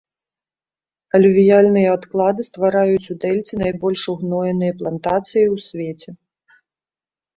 Алювіяльныя адклады ствараюць у дэльце найбольш угноеныя плантацыі ў свеце.